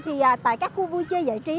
thì tại các khu vui chơi giải trí